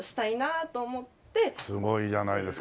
すごいじゃないですか。